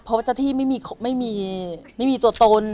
เพราะเจ้าที่ไม่มีโจตน